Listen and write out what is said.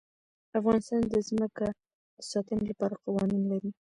افغانستان د ځمکه د ساتنې لپاره قوانین لري.